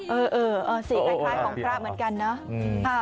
เออสีคล้ายของพระเหมือนกันเนอะ